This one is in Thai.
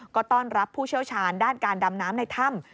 ก็ต้อนรับผู้เชี่ยวชาญด้านการดำน้ำในถ้ำ